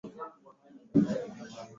Anatafuta mpenzi atakaye mpenda kwa dhati.